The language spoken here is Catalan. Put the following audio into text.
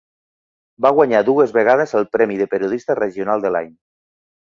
Va guanyar dues vegades el premi de periodista regional de l'any.